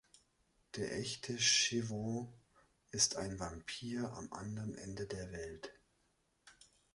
Der echte Shevaun ist ein Vampir am anderen Ende der Welt.